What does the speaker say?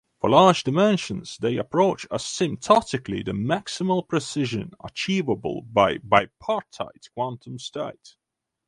For large dimensions they approach asymptotically the maximal precision achievable by bipartite quantum states.